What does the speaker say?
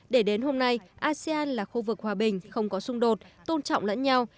để đến hôm nay asean là khu vực hòa bình không có xung đột tôn trọng lẫn nhau